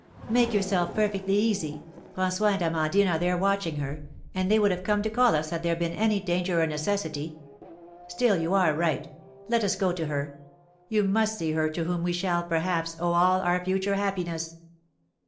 "Make yourself perfectly easy; François and Amandine are there watching her, and they would have come to call us had there been any danger or necessity. Still you are right; let us go to her. You must see her to whom we shall, perhaps, owe all our future happiness."